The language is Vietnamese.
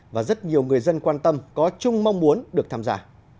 và rất nhiều người dân quan tâm có chung mong muốn được tham gia